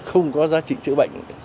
không có giá trị chữa bệnh